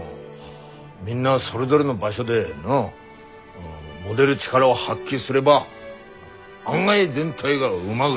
みんなそれぞれの場所で持でる力を発揮すれば案外全体がうまぐいぐ。